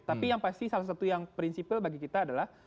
tapi yang pasti salah satu yang prinsipil bagi kita adalah